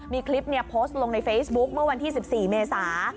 มีคลิปโพสต์ลงในเฟซบุ๊คเมื่อวันที่๑๔เมษา